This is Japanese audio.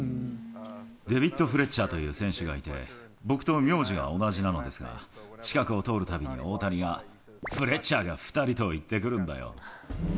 デビッド・フレッチャーという選手がいて、僕と名字が同じなのですが、近くを通るたびに大谷が、フレッチャーが２人と言ってくるんだよ。